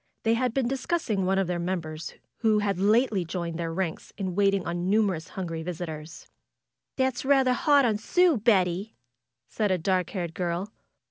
They had been discussing one of their members, who had lately joined their ranks in waiting on the numerous hungry visitors. ^'That's rather hard on Sue, Betty said a dark haired girl.